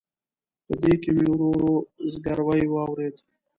په دې کې مې ورو ورو زګیروي واورېد.